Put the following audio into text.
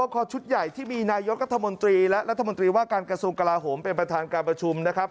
กระทรวงกลาโหมเป็นประธานการประชุมนะครับ